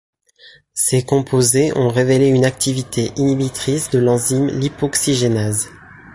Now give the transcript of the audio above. Ces composés ont révélé une activité inhibitrice de l’enzyme lipoxygénase.